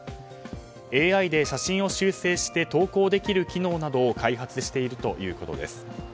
ＡＩで写真を修整して投稿できる機能などを開発しているということです。